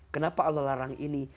kenapa allah larang ini